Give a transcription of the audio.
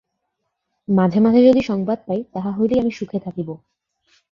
মাঝে মাঝে যদি সংবাদ পাই, তাহা হইলেই আমি সুখে থাকিব।